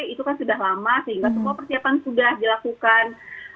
itu kan sudah lama sehingga semua persiapan sudah dilakukan